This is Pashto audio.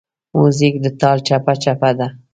موزیک د ټال چپهچپه ده.